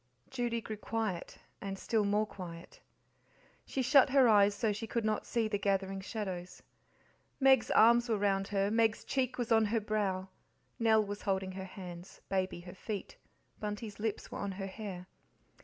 Judy grew quiet, and still more quiet. She shut her eyes so she could not see the gathering shadows. Meg's arms were round her, Meg's cheek was on her brow, Nell was holding her hands, Baby her feet, Bunty's lips were on her hair.